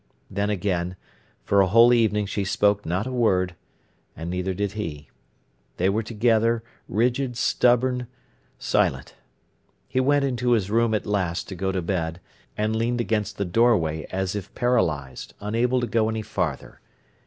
Then, again, for a whole evening she spoke not a word; neither did he. They were together, rigid, stubborn, silent. He went into his room at last to go to bed, and leaned against the doorway as if paralysed, unable to go any farther.